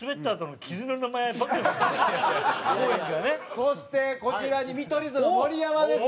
そしてこちらに見取り図の盛山ですね。